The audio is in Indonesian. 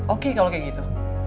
oke kalau kayak gitu